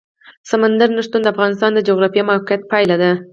سمندر نه شتون د افغانستان د جغرافیایي موقیعت پایله ده.